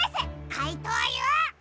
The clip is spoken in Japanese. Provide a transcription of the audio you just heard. かいとうＵ！